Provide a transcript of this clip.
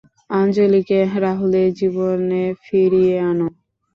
আঞ্জলীকে রাহুলের জীবনে ফিরিয়ে আনো।